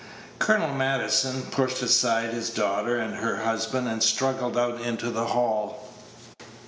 Colonel Maddison pushed aside his daughter and her husband, and struggled out into the hall.